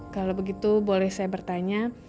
kalau begitu boleh saya bertanya